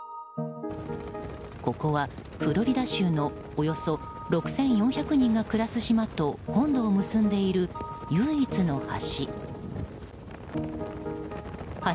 ここはフロリダ州のおよそ６４００人が暮らす島と本土を結んでいる唯一の橋。